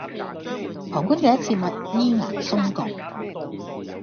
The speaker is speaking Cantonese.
旁觀者切勿依牙鬆槓